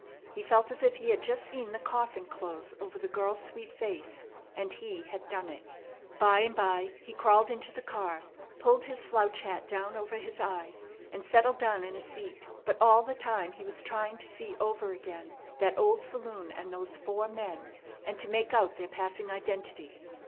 He felt as if he had just seen the coffin close over the girl's sweet face, and he had done it. By and by he crawled into the car, pulled his slouch hat down over his eyes, and settled down in a seat; but all the time he was trying to see over again that old saloon and those four men, and to make out their passing identity.